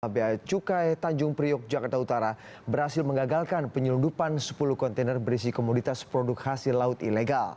ba cukai tanjung priok jakarta utara berhasil mengagalkan penyelundupan sepuluh kontainer berisi komoditas produk hasil laut ilegal